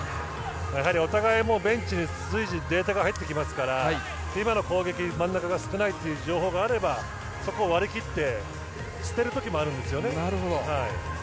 やはりお互いベンチに随時データが入ってきますから今の攻撃、真ん中が少ないという情報があればそこを割り切って捨てる時もあるんですね。